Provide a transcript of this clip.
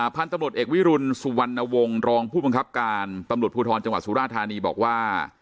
พันธุ์ตำรวจเอกวิรุณสุวรรณวงศ์รองผู้บังคับการตำรวจภูทรจังหวัดสุราธานีบอกว่า